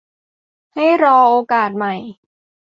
ให้รอโอกาสใหม่